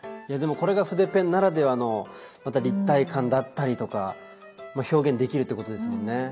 でもこれが筆ペンならではのまた立体感だったりとか表現できるってことですもんね。